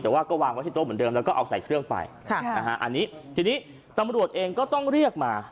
แต่ว่าก็วางไว้ที่โต๊ะเหมือนเดิมแล้วก็เอาใส่เครื่องไปค่ะนะฮะอันนี้ทีนี้ตำรวจเองก็ต้องเรียกมา